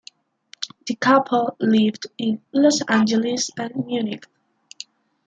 The couple lived in Los Angeles and Munich.